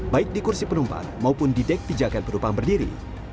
baik di kursi penumpang maupun di dek pijakan penumpang berdiri